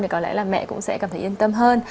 thì có lẽ là mẹ cũng sẽ cảm thấy yên tâm hơn